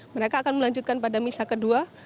mereka akan melanjutkan pada misa kedua